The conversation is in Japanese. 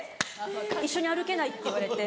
一緒に歩けないって言われて。